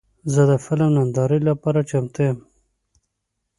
زه د فلم نندارې لپاره چمتو یم.